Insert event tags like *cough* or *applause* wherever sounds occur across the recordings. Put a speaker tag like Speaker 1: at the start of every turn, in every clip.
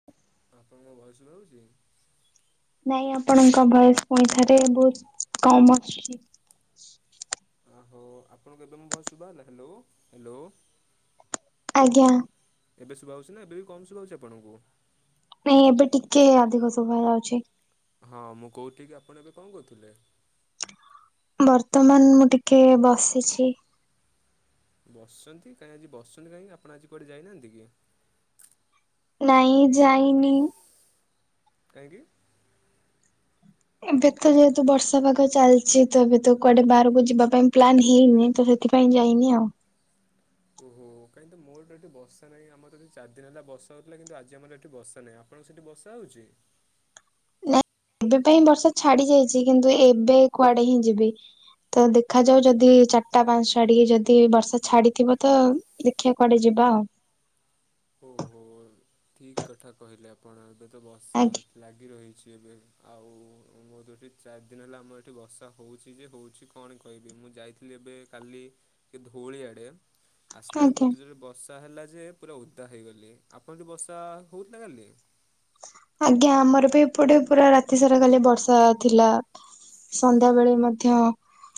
Speaker 1: *inaudible*
Speaker 2: ଆପଣଙ୍କ voice slow ହୋଉଚି।
Speaker 1: ନାଇଁ ଆପଣଙ୍କ ଭଏସ ପୁଣି ଥରେ ବହୁତ କମ ଆସୁଛି
Speaker 2: ଆ ହଉ ଆପଣଙ୍କୁ ଏବେ ମୋ ଭୟସୁଭା ହେଲା ହ୍ୟାଲୋ ହ୍ୟାଲୋ।
Speaker 1: ଆଜ୍ଞା।
Speaker 2: ଏବେ ଶୁବା ହଉଚି ନା ଏବେ ବି କମ ଶୁବା ହଉଚି ଆପଣଙ୍କୁ?
Speaker 1: ନାଇଁ ଏବେ ଟିକେ ଅଧିକ ଶୁଭା ଯାଉଚି।
Speaker 2: ହଁ ମୁଁ କହୁଠି କି ଆପଣ ଏବେ କଣ କରୁଥିଲେ?
Speaker 1: ବର୍ତ୍ତମାନ ମୁଁ ଟିକେ ବସିଛି।
Speaker 2: ବସଛନ୍ତି, କାଇଁ ଆଜି ବସଛନ୍ତି କାହିଁକି ଆପଣ ଆଜି କୁଆଡ଼େ ଯାଇନାହାନ୍ତି କି?
Speaker 1: ନାଇଁ ଯାଇନି।
Speaker 2: କାଇଁକି?
Speaker 1: ଏବେ ତ ଯେହେତୁ ବର୍ଷା ପାଗ ଚାଲିଚି ତ ଏବେ ତ କୁଆଡେ ବାହାରକୁ ଯିବା ପାଇଁ ପ୍ଲାନ୍ ହେଇନି ତ ସେ ଥିପାଇଁ ଯାଇନି ଆଉ।
Speaker 2: ଓହୋ କାଇଁ ତ ମୋ ଏଠି ବସା ନାଇଁ ଆମର ଏଠି ଚାର ଦିନ ହେଲା ବସା ହୋଉଥିଲା କିନ୍ତୁ ଆଜି ଆମର ଏଠି ବସା ନାଇଁ, ଆଉ ଆପଣ ସେଇଠି ବସା ହଉଚି?
Speaker 1: ନାଇ ଏବେ ପାଇଁ ବର୍ଷା ଛାଡି ଯାଇଚି କିନ୍ତୁ ଏବେ କୁଆଡେ ହିଁ ଯିବି। ତ ଦେଖାଯାଉ ଯଦି ଚାଟା ପାଞ୍ଚ ଛାଡିକି ଯଦି ବର୍ଷା ଛାଡିଥିବ ତ ଦେଖିଆ କୁଆଡେ ଯିବା ଆଉ।
Speaker 2: ଓହୋ ଠିକ କଥା କହିଲେ ଆପଣ ଏବେ ତ ବସା
Speaker 1: ଆଜ୍ଞା
Speaker 2: ହ ଲାଗି ରହିଛି ଏବେ ଆଉ ମୋ ତ ଏଠି ଚାରି ଦିନ ହେଲା ଆମର ଏଠି ବସା ହଉଛି ଯେ ହଉଛି। କଣ କହିବି ମୁଁ ଯାଇଥିଲି ଏବେ କାଲି ଏ ଧଉଳି ଆଡ଼େ। ଆସିଲା ଏଳକୁ
Speaker 1: ଆଜ୍ଞା।
Speaker 2: ଏତେ ଜୋରେ ବର୍ଷା ହେଲା ଯେ ପୁରା ଓଦା ହେଇଗଲି ଆପଣ ଠି ବର୍ଷା ହଉଥିଲା କାଲି?
Speaker 1: ଆଜ୍ଞା, ଆମର ବି ଏପଟେ ପୁରା ରାତି ସାରା କାଲି ବର୍ଷା ଥିଲା। ସନ୍ଧ୍ୟାବେଳେ ମଧ୍ୟ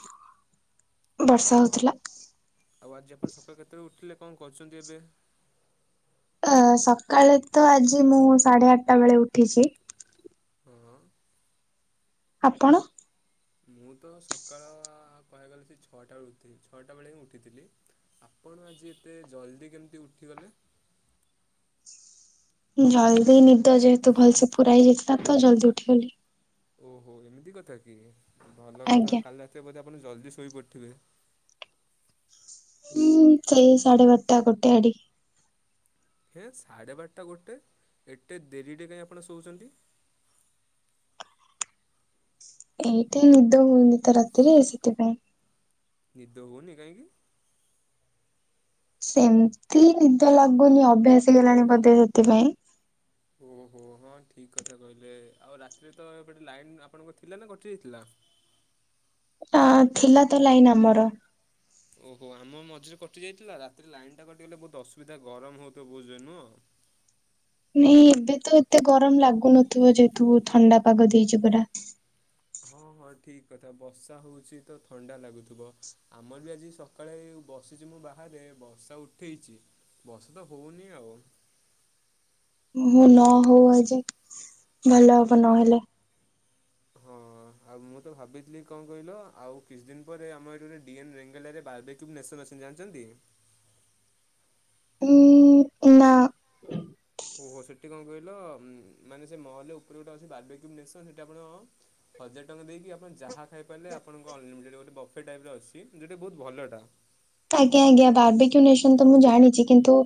Speaker 2: *inaudible* ହଁ
Speaker 1: ବର୍ଷା ହଉଥିଲା।
Speaker 2: ଆଉ ଆଜି ଆପଣ ସକାଳୁ କେତେଏଳେ ଉଠିଲେ କଣ କରୁଚନ୍ତି ଏବେ?
Speaker 1: ଅ ସକାଳେ ତ ଆଜି ମୁଁ ସାଢେ ଆଟଟା ବେଳେ ଉଠିଚି।
Speaker 2: ହଁ।
Speaker 1: ଆପଣ।
Speaker 2: ମୁଁ ତ ସକାଳ କହିବାକୁ ଗଲେ ସେ ଛଅଟା ଳୁ ଉଠି ଛଅଟା ବେଳେ ହିଁ ଉଠିଥିଲି। ଆପଣ ଆଜି ଏତେ ଜଲ୍ଦି କେମିତି ଉଠିଗଲେ?
Speaker 1: ଜଲ୍ଦି ନିଦ ଯେହେତୁ ଭଲସେ ପୁରା ହେଇଯାଇଥିଲା ତ ଜଲ୍ଦି ଉଠିଗଲି।
Speaker 2: ଓହୋ ଏମିତି କଥା କି ଭଲ କଥା
Speaker 1: ଆଜ୍ଞା।
Speaker 2: କାଲି ରାତିରେ ବୋଧେ ଆପଣ ଜଲ୍ଦି ଶୋଇପଡିଥିବେ।
Speaker 1: ହୁଁ ସେଇ ସାଢେ ବାରଟା ଗୋଟେ ଆଡିକି।
Speaker 2: ହେଁ ସାଢ଼େ ବାରଟା ଗୋଟେ ଏତେ ଡେରିଟେ କାଇଁ ଆପଣ ଶୋଉଛନ୍ତି।
Speaker 1: ଏଇଟା ନିଦ ହଉନି ତ ରାତିରେ ସେଥିପାଇଁ।
Speaker 2: ନିଦ ହଉନି କାଇଁକି?
Speaker 1: ସେମତି ନିଦ ଲାଗୁନି ଅଭ୍ୟାସ ହେଇଗଲାଣି ବୋଧେ ସେଥିପାଇଁ।
Speaker 2: ଉଁ ହୁଁ, ହଁ ଠିକ କଥା କହିଲେ ଆଉ ରାତିରେ ତ ଏପଟେ ଲାଇନ୍ ଆପଣଙ୍କ ଥିଲା ନା କଟି ଯାଇଥିଲା।
Speaker 1: ଆ ଥିଲା ତ ଲାଇନ ଆମର।
Speaker 2: ଓହୋ ଆମ ମଝିରେ କଟି ଯାଇଥିଲା ରାତିରେ ଲାଇନ ଟା କଟିଗଲେ ବହୁତ ଅସୁବିଧା ଗରମ ହଉଥିବ ବହୁ ଯୋର ରେ ନୁହଁ।
Speaker 1: ନାଇଁ ଏବେ ତ ଏତେ ଗରମ ଲାଗୁନଥିବ ଯେହେତୁ ଥଣ୍ଡା ପାଗ ଦେଇଚି ପୁରା।
Speaker 2: ହଁ ହଁ ଠିକ କଥା ବସା ହଉଚି ତ ଥଣ୍ଡା ଲାଗୁଥିବ। ଆମର ବି ଆଜି ସକାଳେ ବସିଚି ମୁଁ ବାହାରେ ବର୍ଷା ଉଠେଇଚି। ବର୍ଷା ତ ହଉନି ଆଉ।
Speaker 1: ଉଁ ହୁଁ ନ ହଉ ଆଜି ଭଲ ହବ ନହେଲେ।
Speaker 2: ହଁ। ହଁ ହଁ ମୁଁ ତ ଭାବିଥିଲି କଣ କହିଲ ଆଉ କିଛି ଦିନ ପରେ ଆମର ଏଇଠୁ ଡିଏନ୍ ରେଙ୍ଗେଲିଆ ରେ ବାବି କ୍ୟୁ ନେସନ ଅଛନ୍ତି ଜାଣିଛନ୍ତି?
Speaker 1: ହୁଁ ନା।
Speaker 2: ଓହୋ ସେଠି କଣ କହିଲ ଉଁ ମାନେ ସେ ମଲରେ ଉପରେ ଗୋଟେ ଅଛି ବାର୍ବିକ୍ୟୁ ନେସନ ସେଠି ଆପଣ ହଜାର ଟଙ୍କା ଦେଇକି ଆପଣ ଯାହା ଖାଇପାରିଲେ ଆପଣଙ୍କ ଅନଲିିମିଟେଡ଼ ଗୋଟେ ବଫେ ଟାଇପ୍ ର ଅଛି ଯେଉଟା କି ବହୁତ ଭଲଟା।
Speaker 1: ଆଜ୍ଞା ଆଜ୍ଞା ବାର୍ବଇକ୍ୟୁନେସନ ତ ମୁଁ ଜାଣିଚି କିନ୍ତୁ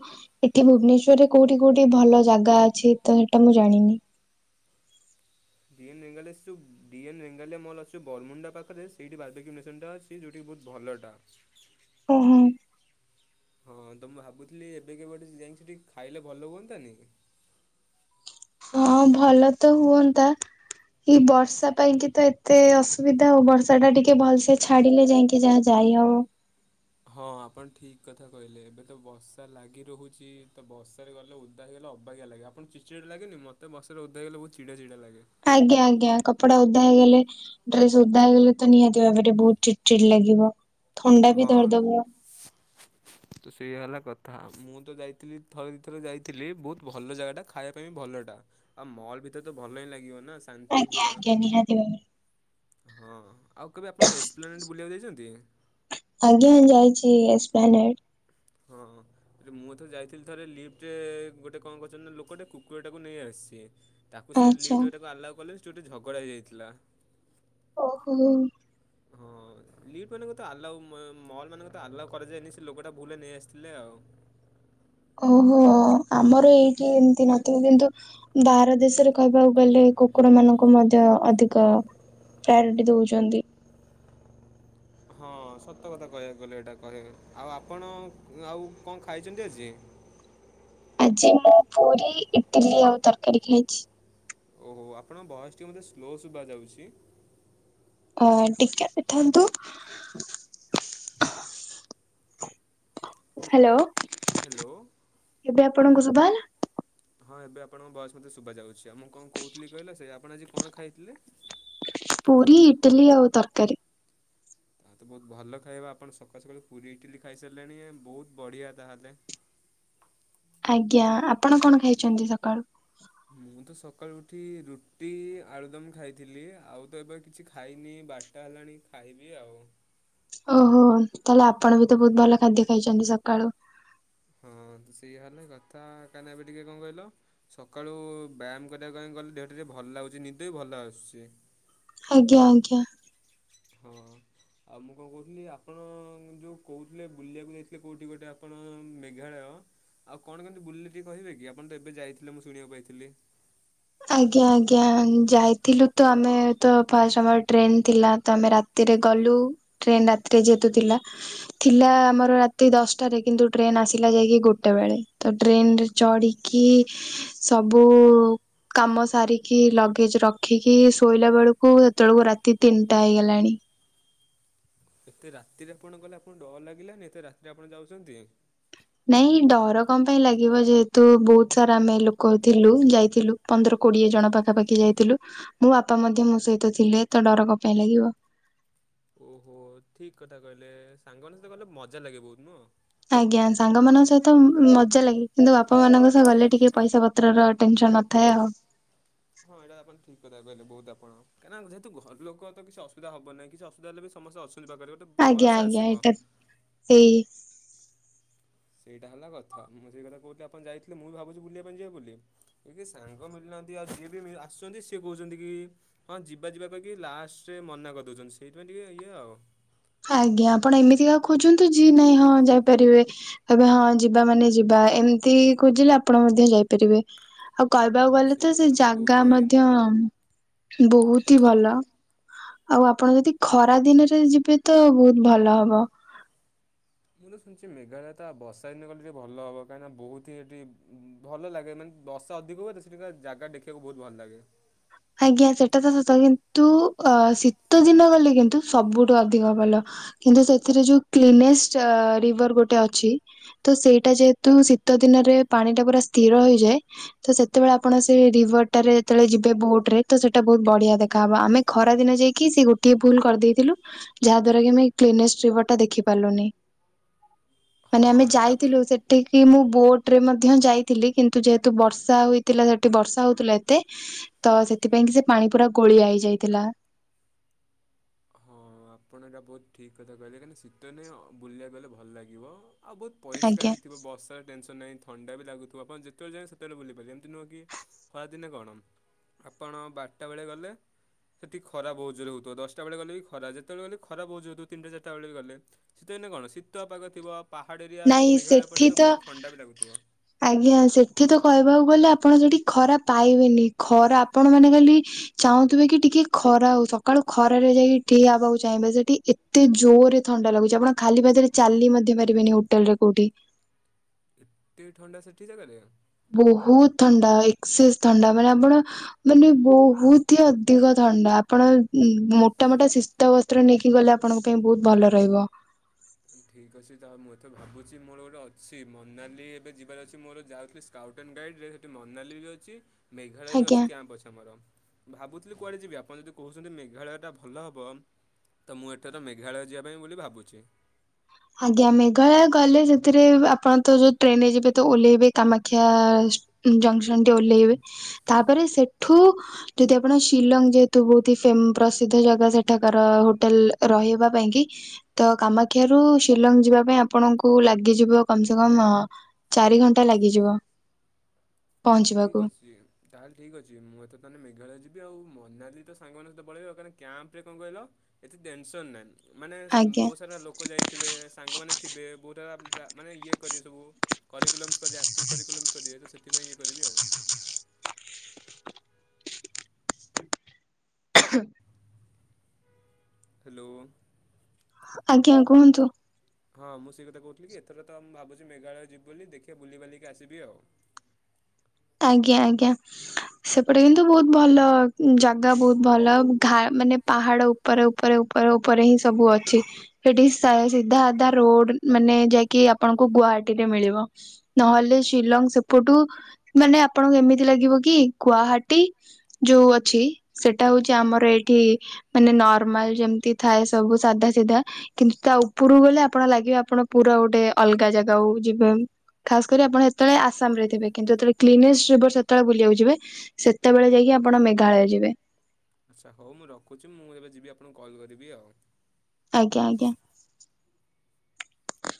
Speaker 1: ଏଠି ଭୁବନେଶ୍ଵରରେ କୋଉଠି କୋଉଠି ଭଲ ଜାଗା ଅଛି ତ ସେଇଟା ମୁଁ ଜାଣିନି।
Speaker 2: ଡିଏନ୍ ରେଙ୍ଗାଲିଆ ଯୋଉ ଡି ଏନ୍ ରେଙ୍ଗାଲିଆ ମଲ୍ ଅଛି ବରମୁଣ୍ଡା ପାଖରେ ସେଇଠି ବାରବିକ୍ୟୁ ନେସନ୍ ଟା ଅଛି। ଚି ଯୋଉଟା କି ବହୁତ ଭଲଟା।
Speaker 1: ଓହୋ।
Speaker 2: ହଁ ତ ମୁଁ ଭାବୁଥିଲି ଏବେ କେବେ ଗୋଟେ ଯାଇ ଙ୍କି ସେଠି ଖାଇଲେ ଭଲ ହୁଅନ୍ତା ନି କି?
Speaker 1: ହଁ ଭଲ ତ ହୁଅନ୍ତା। ଏଇ ବର୍ଷା ପାଇଁ କି ତ ଏତ ଏତେ ଅସୁବିଧା ଆଉ ବର୍ଷା ଟା ଟିକେ ଭଲସେ ଛାଡ଼ିଲେ ଯାଇକି ଯାହା ଯାଇ ହବ।
Speaker 2: ହଁ ଆପଣ ଠିକ କଥା କହିଲେ ଏବେ ତ ବର୍ଷା ଲାଗି ରହୁଚି ତ ବର୍ଷ ବର୍ଷାରେ ଗଲେ ଓଦା ହେଇଗଲେ ଅବାଗିଆ ଲାଗେ। ଆପଣଙ୍କୁ ଚିଡ଼ ଚିଡ଼ା ଲାଗେନି ମତେ ବର୍ଷାରେ ଓଦା ହୋଇଗଲେ ବହୁତ୍ ଚିଡ଼ା ଚିଡ଼ା ଲାଗେ।
Speaker 1: ଆଜ୍ଞା ଆଜ୍ଞା କପଡ଼ା ଓଦା ହେଇଗଲେ ଡ୍ରେସ ଓଦା ହେଇଗଲେ ତ ନିହାତି ଭାବରେ ବହୁତ ଚିଡ ଚିଡ ଲାଗିବ ଥଣ୍ଡା
Speaker 2: ହଁ
Speaker 1: ବି ଧରିଦବ।
Speaker 2: ତ ସେଇୟା ହେଲା କଥା। ମୁଁ ତ ଯାଇଥିଲି ଥରେ ଦୁଇଥରେ ଯାଇଥିଲି। ବହୁତ ଭଲ ଜାଗାଟା ଖାଇବା ପାଇଁ ଭଲଟା। ଆଉ ମଲ୍ ଭିତରେ ତ ଭଲ ହିଁ ଲାଗିବ ନା। ଶାନ୍ତି
Speaker 1: ଆଜ୍ଞା
Speaker 2: ପୁରା
Speaker 1: ଆଜ୍ଞା ନିହାତି ଭାବରେ।
Speaker 2: ହଁ ଆଉ କେବେ ଆପଣ ଏକ୍ସପ୍ଲଆନେଡ ବୁଲିବାକୁ ଯାଇଛନ୍ତି?
Speaker 1: ଆଜ୍ଞା ଯାଇଚି ଏକ୍ସପ୍ଲାନେଟ୍।
Speaker 2: ହଁ ହଁ। ମୁଁ ଏ ତ ଯାଇଥିଲି ଥରେ ଲିଫ୍ଟରେ ଗୋଟେ କଣ କରଚନ୍ତି ନା ଲୋକଟେ କୁକୁରଟାକୁ ନେଇ ଆସିଚି। ତାକୁ ସେ
Speaker 1: ଆଚ୍ଛା
Speaker 2: ଲିପ୍ଟ ରେ ତାକୁ ଆଲାଓ କଲେନି। ସେ ଗୋଟେ ଝଗଡ଼ା ହୋଇଯାଇଥିଲା।
Speaker 1: ଓହୋ।
Speaker 2: ହଁ ଲିଫ୍ଟ ମାନଙ୍କ ତ ଆଲାଓ ମଲ୍ ମାନଙ୍କ ଆଲାଉ କରାଯାଏନି। ସେ ଲୋକଟା ଭୁଲରେ ନେଇ ଆସିଥିଲେ ଆଉ।
Speaker 1: ଓହୋ ଆମର ଏଇଠି ଏମିତି ନଥିବ କିନ୍ତୁ ବାହାର ଦେଶରେ କହିବାକୁ ଗଲେ କୁକୁର ମାନଙ୍କୁ ମଧ୍ୟ ଅଧିକ ପ୍ରାୟୋରିଟି ଦଉଚନ୍ତି।
Speaker 2: ହଁ ସତ କଥା କହିବାକୁ ଗଲେ ଏଇଟା କହିବ। ଆଉ ଆପଣ ଆଉ କଣ ଖାଇଚନ୍ତି ଆଜି?
Speaker 1: ଆଜି ମୁଁ ପୁରି, ଇଟିଲି ଆଉ ତରକାରୀ ଖାଇଚି।
Speaker 2: ଓହୋ ଆପଣଙ୍କ ଭଏସ୍ ଟିକେ ମୋତେ ସ୍ଲୋ ଶୁଭା ଯାଉଚି।
Speaker 1: ଅ ଟିକେ ଅଟକି ଥାଆନ୍ତୁ। ହାଲୋ।
Speaker 2: ହେଲୋ।
Speaker 1: ଶୁଭାଗଲା
Speaker 2: ହଁ ଏବେ ଆପଣଙ୍କ ଭଏସ୍ ମତେ ଶୁଭା ଯାଉଚି। ଆଉ ମୁଁ କଣ କହୁଥିଲି କହିଲ ସେ ଆପଣ ଆଜି କଣ ଖାଇଥିଲେ?
Speaker 1: ପୁରି, ଇଟଲି ଆଉ ତରକାରୀ।
Speaker 2: ତାହେଲେ ତ ବହୁତ ଭଲ ଖାଇବା ଆପଣ ସକାଳୁ ସକାଳୁ ପୁରି, ଇଟିଲି ଖାଇସାରିଲେଣି ବହୁତ ବଢ଼ିଆ ତାହେଲେ।
Speaker 1: ଆଜ୍ଞା ଆପଣ କଣ ଖାଇଛନ୍ତି ସକାଳୁ?
Speaker 2: ମୁଁ ତ ସକାଳୁ ଉଠି ରୁଟି, ଆଳୁଦମ୍ ଖାଇଥିଲି ଆଉ ତ ଏବେ କିଛି ଖାଇନି ବାର ଟା ହେଲାଣି ଖାଇବି ଆଉ।
Speaker 1: ଓହୋ ତାହେଲେ ଆପଣ ବି ତ ବହୁତ ଭଲ ଖାଦ୍ୟ ଖାଇଛନ୍ତି ସକାଳୁ।
Speaker 2: ହଁ ତ ସେଇୟା ହେଲା କଥା କାହିଁକି ନା ଏବେ ଟିକେ କଣ କହିଲ? ସକାଳୁ ବ୍ୟାୟାମ କରିବା ପାଇଁ ଗଲେ ଦେହଟା ଟିକେ ଭଲ ଲାଗୁଛି ନିଦ ବି ଭଲ ଆସୁଛି।
Speaker 1: ଆଜ୍ଞା ଆଜ୍ଞା।
Speaker 2: ହଁ। ଆଉ ମୁଁ କଣ କହୁଥିଲି ଆପଣ ଯେଉ କହୁଥିଲେ ବୁଲିବାକୁ ଯାଇଥିଲେ କେଉଠି ଗୋଟେ ଆପଣ ମେଘାଳୟ ଆଉ କଣ କେମିତି ବୁଲିଲେ ଟିକେ କହିବେ କି ଆପଣ ତ ଏବେ ଯାଇଥିଲେ ମୁଁ ଶୁଣିବାକୁ ପାଇଥିଲି।
Speaker 1: ଆଜ୍ଞା ଆଜ୍ଞା ଯାଇଥିଲୁ ତ ଆମେ ତ ଫାଷ୍ଟ ଆମର ଟ୍ରେନ୍ ଥିଲା ତ ଆମେ ରାତ ରାତିରେ ଗଲୁ ଟ୍ରେନ୍ ରାତିରେ ଯେହେତୁ ଥିଲା। ଥିଲା ଆମର ରାତି ଦଶଟାରେ, କିନ୍ତୁ ଟ୍ରେନ ଆସିଲା ଯାଇକି ଗୋଟେ ବେଳେ ତ ଟ୍ରେନ ରେ ଚଢ଼ିକି ସବୁ କାମ ସାରିକି ଲଗେଜ୍ ରଖିକି ଶୋଇଲା ବେଳକୁ ସେତେବେଳକୁ ରାତି ତିନିଟା ହେଇଗଲାଣି।
Speaker 2: ଏତେ ରାତିରେ ଆପଣ ଗଲେ ଆପଣଙ୍କୁ ଡର ଲାଗିଲାନି ଏତେ ରାତିରେ ଆପଣ ଯାଉଛନ୍ତି।
Speaker 1: ନାଇଁ ଡର କଣ ପାଇଁ ଲାଗିବ ଯେହେତୁ ବହୁତ ସାରା ଆମେ ଲୋକ ଥିଲୁ ଯାଇଥିଲୁ। ପନ୍ଦର କୋଡ଼ିଏ ଜଣ ପାଖାପାଖି ଯାଇଥିଲୁ ମୋ ବାପା ମଧ୍ୟ ମୋ ସହିତ ଥିଲେ ତ ଡର କଣ ପାଇଁ ଲାଗିବ।
Speaker 2: ଓହୋ ଠିକ୍ କଥା କହିଲେ ସାଙ୍ଗମାନଙ୍କ ସହିତ ଗଲେ ମଜା ଲାଗେ ବହୁତ୍ ନୁହଁ?
Speaker 1: ଆଜ୍ଞା ସାଙ୍ଗମାନଙ୍କ ସହିତ ମ ମଜା ଲାଗେ କିନ୍ତୁ ବାପା ମାନଙ୍କ ସହ ଗଲେ ଟିକେ ପଇସା ପ ତ୍ରର ଟେନ୍ ସନ୍ ନଥାଏ ଆଉ।
Speaker 2: ହଁ ଏଇଟା ଆପଣ ଠିକ୍ କଥା କହିଲେ ବହୁତ ଆପଣ କାରଣ ଯେହେତୁ ଘର ଲୋକ ତ କିଛି ଅସୁବିଧା ହବନି କିଛି ଅସୁବିଧା ହେଲେ ବି ସମସ୍ତେ ଅ ଅଛନ୍ତି ପାଖରେ ଗୋଟେ ବ
Speaker 1: ଆଜ୍ଞା ଆଜ୍ଞା ଏଇଟା ସେଇ
Speaker 2: ସେଇଟା ହେଲା କଥା ମୁଁ ସେଇ କଥା କହୁଥିଲି ଆପଣ ଯାଇଥିଲେ ମୁ ବି ଭାବୁଛି ବୁଲିବା ପାଇଁ ଯିବା ବୋଲି। ଏ କେହି ସାଙ୍ଗ ମିଳୁ ନାହାଁନ୍ତି ଆଉ ଯିଏ ବି ମି ଆସୁଛନ୍ତି ସିଏ କହୁଛନ୍ତି କି ହଁ ଯିବା ଯିବା କହିକି ଲାଷ୍ଟ ରେ ମନା କରିଦଉଛନ୍ତି ସେଇଥିପାଇଁ ଟିକେ ଇଏ ଆଉ।
Speaker 1: ଆଜ୍ଞା ଆପଣ ଏମିତି କା ଖୋଜନ୍ତୁ ଯି ନାଇଁ ହଁ ଯାଇପାରିବେ। କହିବେ ହଁ ଯିବା ମାନେ ଯିବା ଏମିତି ଖୁଜିଲେ ଆପଣ ମଧ୍ୟ ଯାଇପାରିବେ। ଆଉ କହିବାକୁ
Speaker 2: ହଁ
Speaker 1: ଗଲେ
Speaker 2: ସେଇ
Speaker 1: ତ ସେ
Speaker 2: କଥା ମୁଁ
Speaker 1: ଜାଗା
Speaker 2: କହୁଛି ଭାଇ
Speaker 1: ମଧ୍ୟ
Speaker 2: ଏମିତି
Speaker 1: ବହୁତ୍ ହିଁ ଭଲ। ଆଉ ଆପଣ ଯଦି ଖରା ଦିନରେ ଯିବେ ତ ବହୁତ୍ ଭଲ ହବ।
Speaker 2: ମୁଁ ତ ଶୁଣିଛି ମେଘାଳୟ ତ ବର୍ଷା ଦିନେ ଗଲେ ଟିକେ ଭଲ ହେବ କାହିଁକିନା ବହୁତ ହିଁ ଏଠି ଉଁ ଭଲ ଲାଗେ ମାନେ ବର୍ଷା ଅଧିକ ହୁଏ ତ ସେଠିକା ଜାଗା ଦେଖିବାକୁ ବହୁତ୍ ଭଲ ଲାଗେ।
Speaker 1: ଆଜ୍ଞା ସେଟା ତ ସତ କିନ୍ତୁ ଅ ଶୀତ ଦିନ ଗଲେ କିନ୍ତୁ ସବୁଠୁ ଅଧିକ ଭଲ। କିନ୍ତୁ ସେଥିରେ ଯୋଉ କ୍ଲିନେଷ୍ଟ ଆ ରିଭର ଗୋଟେ ଅଛି ତ ସେଇଟା ଯେହେତୁ ଶୀତ ଦିନରେ ପାଣି ଟା ପୁରା ସ୍ଥିର ହେଇଯାଏ ତ ସେତେବେଳେ ଆପଣ ସେ ରିଭର ଟାରେ ଯେତେବେଳେ ଯିବେ ବୋଟ୍ ରେ ତ ସେଇଟା ବହୁତ ବଢିଆ ଦେଖାହେବ ଆମେ ଖରା ଦିନେ ଯାଇକି ସେ ଗୋଟଏ ଭୁଲ କରିଦେଇଥିଲୁ। ଯାହା ଦ୍ଵାରା କି ଆମେ କ୍ଲିନେଷ୍ଟ ରିଭର ଟା ଦେଖି ପାରିଲୁନି।
Speaker 2: *inaudible*
Speaker 1: ମାନେ
Speaker 2: ହଁ
Speaker 1: ଆମେ
Speaker 2: ଏଇଟା ଆପଣ
Speaker 1: ଯାଇଥିଲୁ ସେ ସେଠିକି ମୁଁ ବୋଟ୍ ରେ ମଧ୍ୟ ଯାଇଥିଲି କିନ୍ତୁ ଯେହେତୁ ବର୍ଷା ହୋଇଥିଲା ସେଠି ବର୍ଷା ହଉଥିଲା ଏତେ
Speaker 2: *inaudible*
Speaker 1: ତ ସେଥିପାଇଁ କି ସେ ପାଣି ପୁରା ଗୋଳିଆ ହେଇଯାଇଥିଲା।
Speaker 2: ହଁ ଆପଣ ଏଇଟା ବହୁତ ଠିକ୍ କଥା କହିଲେ କାହିଁକିନା ଶୀତ ଦିନେ ଅ ବୁଲିବାକୁ ଗଲେ ଭଲ ଲାଗିବ। ଆଉ ବହୁତ
Speaker 1: ଆଜ୍ଞା।
Speaker 2: ପରିଷ୍କାର ବି ଥିବ ବର୍ଷା ଟେନସନ୍ ନାହିଁ ଥଣ୍ଡା ବି ଲାଗୁଥିବ ଆପଣ ଯେତବେଳେ ଯାଏ ସେତବେଳେ ବୁଲି ପାରିବ ଏମିତି ନୁହଁକି ଖରାଦିନେ କଣ ଆପଣ ବାରଟା ବେଳେ ଗଲେ ସେଠି ଖରା ବହୁତ ଜୋରରେ ହଉଥିବ ଦଶ ସେତେବେଳେ ଗଲେ ବି ଖରା ଯେତେବେଳେ ଗଲେ ଖରା ବୋହୂ ଜୋରେ ହେଉ ତିନିଟା ଚାରିଟା ବେଳେ ବି ଗଲେ ଶୀତଦିନେ କଣ ଶୀତୁଆ ପାଗ ଥିବ ପାହାଡ଼ ଏରିଆ
Speaker 1: ନାଇଁ
Speaker 2: ମେଘାଳୟ ପଟେ
Speaker 1: ସେଠି
Speaker 2: ତ ବହୁତ ଥଣ୍ଡା ବି ଲାଗୁଥିବ।
Speaker 1: ଆଜ୍ଞା ସେଠି ତ କହିବାକୁ ଗଲେ ଆପଣ ସେଠି ଖରା ପାଇବେନି ଖରା ଆପଣ ମାନେ ଖାଲି ଚାହୁଁଥିବେ କି ଟିକେ ଖରା ହଉ ସକାଳୁ ଖରାରେ ଯାଇକି ଠିଆ ହବାକୁ ଚାହିଁବେ ସେଠି ଏତେ ଜୋରେ ଥଣ୍ଡା ଲାଗୁଛି ଆପଣ ଖାଲି ପାଦରେ ଚାଲି ମଧ୍ୟ ପାରିବେନି ହୋଟେଲ ରେ କୋଉଠି?
Speaker 2: ଏତେ ଥାଣ୍ଡା ସେଠି ଜାଗା ରେ।
Speaker 1: ବହୁତ ଥଣ୍ଡା ଏକ୍ସେସ୍ ଥଣ୍ଡା ମାନେ ଆପଣ ମାନେ ବହୁତ ହି ଅଧିକ ଥଣ୍ଡା ଆପଣ ମୋଟା ମୋଟା ସେ ଶୀତ ବସ୍ତ୍ର ନେଇକି ଗଲେ ଆପଣଙ୍କ ପାଇଁ ବହୁତ ଭଲ ରହିବ।
Speaker 2: ଠିକ୍ ଅଛି ତ ମୁଁ ଏତେ ଭାବୁଛି ମୋର ଗୋଟେ ଅଛି ମନାଲି ଏବେ ଯିବାର ଅଛି ମୋର ଯାଉଥିଲି ସ୍କାଉଟ୍ ଆଣ୍ଡ ଗାଇଡ଼୍ର ରେ ସେଇଠି ମନାଲି ବି ଅଛି ମେଘାଳୟ ବି ଅଛି
Speaker 1: ଆଜ୍ଞା
Speaker 2: କ୍ୟାମ୍ପ୍ ଅଛି ଆମର। ଭାବୁଥିଲି କୁଆଡ଼େ ଯିବି ଆପଣ ଯଦି କହୁଛନ୍ତି ମେଘାଳୟଟା ଭଲ ହେବ ତ ମୁଁ ଏଥର ମେଘାଳୟ ଯିବା ପାଇଁ ବୋଲି ଭାବୁଛି।
Speaker 1: ଆଜ୍ଞା ମେଘାଳୟ ଗଲେ ସେଥିରେ ବ ଆପଣ ତ ଯୋଉ ଟ୍ରେନରେ ଯିବେ ତ ଓହ୍ଲେଇବେ କାମାକ୍ଷା ଜଂସନ ଟି ଓହ୍ଲେଇବେ ତାପରେ ସେଠୁ ଯଦି ଆପଣ ଶିଲଙ୍ଗ ଯେହେତୁ ବହୁତ ହି ଫେମ୍ ପ୍ରସିଦ୍ଧ ଜାଗା ସେଠାକାର ହୋଟେଲ ରହିବା ପାଇଁ କି ତ କାମାକ୍ଷା ରୁ ଶିଲଙ୍ଗ ଯିବା ପାଇଁ ଆପଣଙ୍କୁ ଲାଗିଯିବ କମ ସେ କମ ଚାରି ଘଣ୍ଟା ଲାଗିଯିବ।
Speaker 2: ଠିକ
Speaker 1: ପହଞ୍ଚିବାକୁ
Speaker 2: ଅଛି। ତାହେଲେ ଠିକ୍ ଅଛି ମୁଁ ଏଥର ତାହେନେ ମେଘାଳୟ ଯିବି ଆଉ ମନାଲି ତ ସାଙ୍ଗ ମାନଙ୍କ ସହିତ ପଳେଇବି କାରଣ କ୍ୟାମ୍ପରେ କଣ କହିଲ ଏତେ ଟେନସନ ନାହିଁ ମାନେ
Speaker 1: ଆଜ୍ଞା
Speaker 2: ବହୁତ ସାରା ଲୋକ ଯାଇ ଥିବେ ସାଙ୍ଗମାନେ ଥିବେ ବହୁତ ଦାରା ମାନେ ଇଏ କରିବେ ସବୁ କରକୁଲମସ କରି ଆକ୍ଟିଭ୍ କରିକକୁଲମ୍ସ୍ କରିବେ ତ ସେଥିପଁ ଇଏ କରିବି ଆଉ।
Speaker 1: ହଁ *inaudible*
Speaker 2: ହ୍ୟାଲୋ।
Speaker 1: ଆଜ୍ଞା କୁହନ୍ତୁ।
Speaker 2: ହଁ ମୁଁ ସେଇ କଥା କହୁଥିଲି କି ଏଥର ତ ମୁଁ ଭାବୁଛି ମେଘା ଳୟ ଯିବୁ ବୋଲି ଦେଖିବା ବୁଲିି ଵାଲିକି ଆସିବି ଆଉ।
Speaker 1: ଆଜ୍ଞା ଆଜ୍ଞା।
Speaker 2: ହ *inaudible*
Speaker 1: ସେପଟେ କିନ୍ତୁ ବହୁତ ଭଲ ଜାଗା ବହୁତ ଭଲ ଘା ମାନେ ପାହାଡ଼ ଉପ ଉପରେ ଉପରେ ଉପରେ ଉପରେ ହିଁ ସବୁ ଅଛି ସେଠି ସା ସିଧା ଆଧା ରୋଡ ମାନେ ଯାଇକି କି ଆପଣଙ୍କୁ ଗୁହାଟୀ ରେ ମିଳିବ ନହେଲେ ଶିଲଙ୍ଗ ସେପଟୁ ମାନେ ଆପଣଙ୍କୁ ଏମିତି ଲାଗିବ କି ଗୁଆହାଟି ଯୋଉ ଅଛି ସେଇଟା ହଉଛି ଆମର ଏଇଠି ମାନେ ନର୍ମାଲ ଯେମିତି ଥାଏ ସବୁ ସାଧା ସିଧା। କିନ୍ତୁ ତା ଉପରକୁ ଗଲେ ଆପଣ ଲାଗିବେ ଆପଣ ପୁରା ଗୋଟେ ଅଲଗା ଜାଗାକୁ ଯିବେ। ଖାସ କରି ଆପଣ ହେତେବେଳେ ଆସାମ ରେ ଥିବେ କିନ୍ତୁ ଯେତେବେଳେ କ୍ଲିନେଷ୍ଟ ରିଭର ସେତେବେଳେ ବୁଲିବାକୁ ଯିବେ ସେତେବେଳେ ଯାଇକି ଆପଣ ମେଘାଳୟ ଯିବେ।
Speaker 2: ଆଚ୍ଛା ହଉ ମୁଁ ରଖୁଛି ମୁଁ ଏବେ ଯିବି ଆପଣଙ୍କୁ କଲ୍ କରିବି ଆଉ।
Speaker 1: ଆଜ୍ଞା ଆଜ୍ଞା।